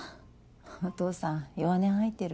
お父さん弱音吐いてる。